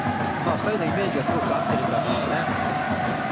２人のイメージがすごく合ってると思いますね。